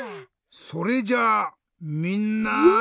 それじゃみんな。